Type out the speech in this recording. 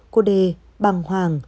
cô đề bằng hoàng